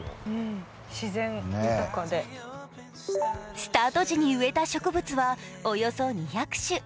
スタート時に植えた植物はおよそ２００種。